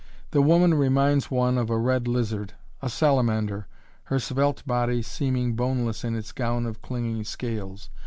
The woman reminds one of a red lizard a salamander her "svelte" body seemingly boneless in its gown of clinging scales.